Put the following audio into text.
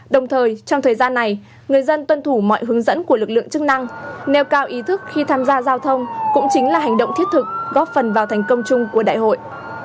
đồng thời trong thời gian này người dân tuân thủ mọi hướng dẫn của lực lượng chức năng nêu cao ý thức khi tham gia giao thông cũng chính là hành động thiết thực góp phần vào thành công chung của đại hội